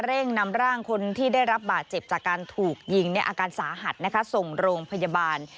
เร่งนำร่างคนที่ได้รับบาดเจ็บจากการถูกยิงในอาการสาหัสนะคะส่งโรงพยาบาล